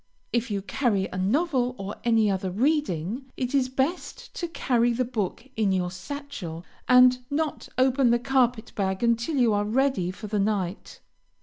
If you carry a novel or any other reading, it is best to carry the book in your satchel, and not open the carpet bag until you are ready for the night.